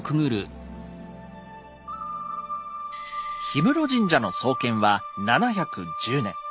氷室神社の創建は７１０年。